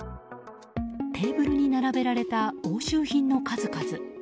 テーブルに並べられた押収品の数々。